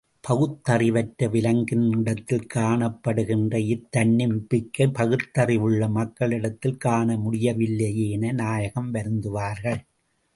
பகுத்தறிவற்ற விலங்கினிடத்தில் காணப்படுகின்ற இத்தன்னம்பிக்கை பகுத்தறிவுள்ள மக்களிடத்தில் காண முடியவில்லையே என நாயகம் வருந்துவார்கள்.